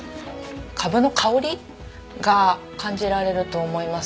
カブの香りが感じられると思います。